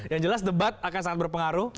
yang jelas debat akan sangat berpengaruh